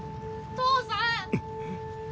父さん！